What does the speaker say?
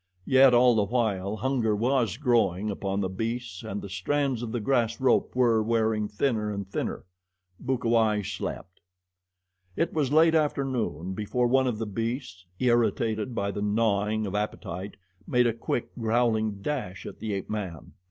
Yet, all the while hunger was growing upon the beasts and the strands of the grass rope were wearing thinner and thinner. Bukawai slept. It was late afternoon before one of the beasts, irritated by the gnawing of appetite, made a quick, growling dash at the ape man.